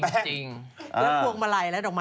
ตรงมายสีแดง